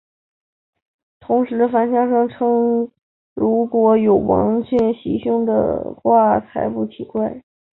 同时反呛声称如果是王炳忠袭胸的话才不奇怪。